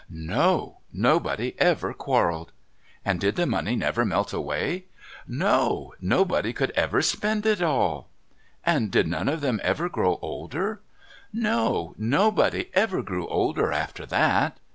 * No ! Nobody ever quarrelled.' ' And did the money never melt away ?'' No ! Nobody could ever spend it all.' ' And did none of them ever grow older ?'' No ! Nobody ever grew older after that.'